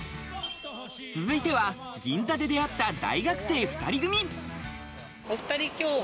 続いては銀座で出会った大学生２人組。